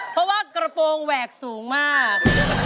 เพราะว่ากระโปรงแหวกสูงมาก